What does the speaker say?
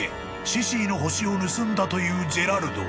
シシィの星を盗んだというジェラルド］